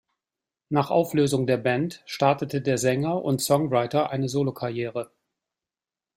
Nach Auflösung der Band startete der Sänger und Songwriter eine Solokarriere.